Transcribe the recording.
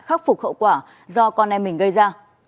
khắc phục hậu quả do con em mình gây ra